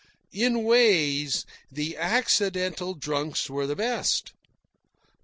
In ways, the accidental drunks were the best.